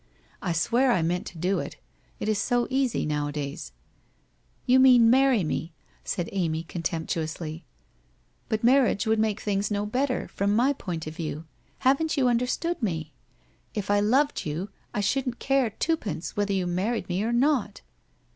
I swear I meant to do it, it is so easy, nowadays/ .' You mean marry me,' said Amy, contemptuously. * But marriage would make things no better, from my point of view. Haven't you understood me? If I loved you, I shouldn't care twopence whether you married me or not!'